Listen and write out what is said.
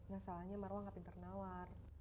masalahnya marwan gak pinter nawar